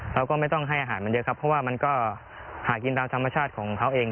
เราก็ไม่ต้องให้อาหารมันเยอะครับเพราะว่ามันก็หากินตามธรรมชาติของเขาเอง